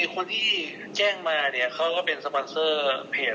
คนที่แจ้งมาเนี่ยเขาก็เป็นสปอนเซอร์เพจ